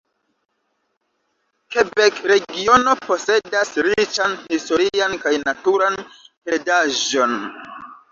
Kebek-regiono posedas riĉan historian kaj naturan heredaĵon.